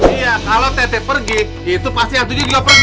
iya kalau teteh pergi itu pasti hantu dia juga pergi